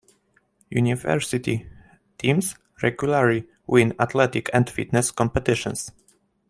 University teams regularly win athletic and fitness competitions.